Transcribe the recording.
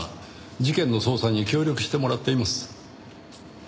事件の捜査に協力してもらっています。